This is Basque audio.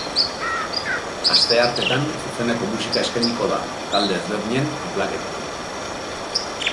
Astearteetan zuzeneko musika eskainiko da, talde ezberdinen unplugged-ekin.